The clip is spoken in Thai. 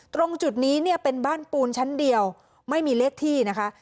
ตรงจุดนี้เนี่ยเป็นบ้านปูนชั้นเดียวไม่มีเลขที่นะคะ